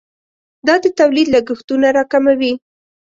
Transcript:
دا د تولید لګښتونه راکموي.